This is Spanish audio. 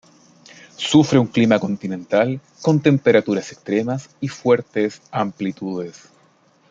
Sufre un clima continental con temperaturas extremas y fuertes amplitudes.